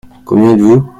Combien êtes-vous ?